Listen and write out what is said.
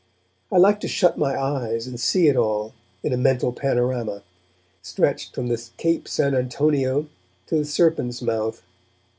I liked to shut my eyes and see it all, in a mental panorama, stretched from Cape Sant' Antonio to the Serpent's Mouth.